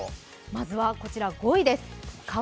まずはこちら５位です。